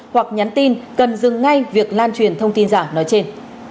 hoặc nhắn tin cần dừng ngay việc lan truyền thông tin giả nói trên